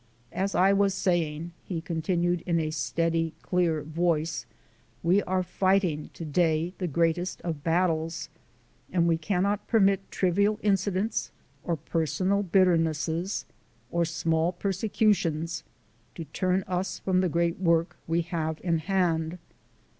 "As I was saying," he continued in a steady, clear voice, "we are fighting to day the greatest of battles, and we cannot permit trivial incidents, or personal bitterness, or small persecutions, to turn us from the great work we have in hand.